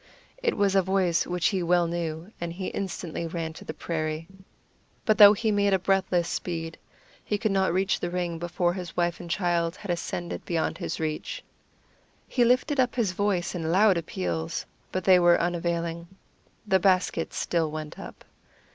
It was a voice which he well knew, and he instantly ran to the prairie. But though he made breathless speed, he could not reach the ring before his wife and child had ascended beyond his reach. He lifted up his voice in loud appeals, but they were unavailing. The basket still went up.